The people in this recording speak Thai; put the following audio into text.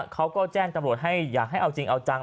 เขาก็แจ้งตำรวจให้อยากให้เอาจริงเอาจัง